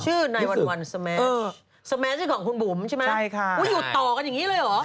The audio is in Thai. ตรงนั้นคือของคุณกึ้ง